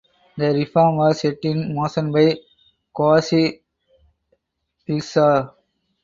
The reform was set in motion by Qazi Isa.